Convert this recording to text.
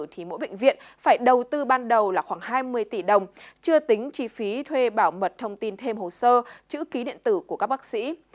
thì mỗi bệnh viện phải đầu tư ban đầu là khoảng hai mươi tỷ đồng chưa tính chi phí thuê bảo mật thông tin thêm hồ sơ chữ ký điện tử của các bác sĩ